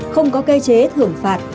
không có cây chế thưởng phạt